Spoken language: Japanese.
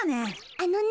あのね